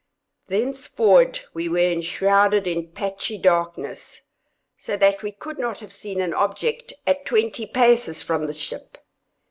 Thenceforward we were enshrouded in patchy darkness, so that we could not have seen an object at twenty paces from the ship.